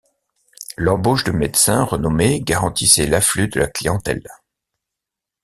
L’embauche de médecins renommés garantissait l’afflux de la clientèle.